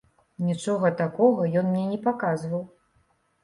Нічога такога ён мне не паказваў.